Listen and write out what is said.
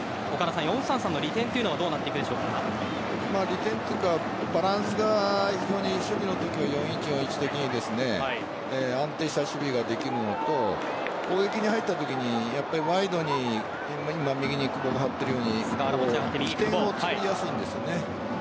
４−３−３の利点は利点というかバランスが非常に守備のとき４−１−４−１のときに安定した守備ができるのと攻撃に入ったときにワイドに今右に久保が張っているように起点を作りやすいんです。